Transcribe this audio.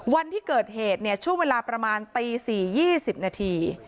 วันที่เกิดเหตุเนี่ยช่วงเวลาประมาณตี๔๒๐นาที